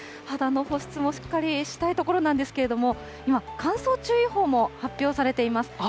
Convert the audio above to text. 肌の保湿もしっかりしたいところなんですけれども、今、乾燥注意報も発表されています。